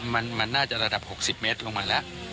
มันน่าจะระดับ๖๐เมตรลงมาแล้ว